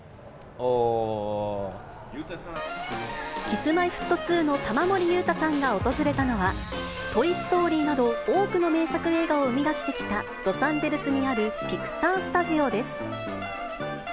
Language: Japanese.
Ｋｉｓ−Ｍｙ−Ｆｔ２の玉森裕太さんが訪れたのは、トイ・ストーリーなど多くの名作映画を生み出してきた、ロサンゼルスにあるピクサー・スタジオです。